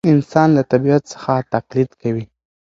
انسان له طبیعت څخه تقلید کوي.